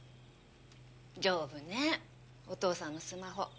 丈夫ねお父さんのスマホ。